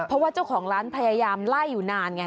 เพราะว่าเจ้าของร้านพยายามไล่อยู่นานไง